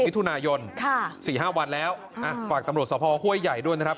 มิถุนายน๔๕วันแล้วอ่ะฝากตำรวจสภห้วยใหญ่ด้วยนะครับ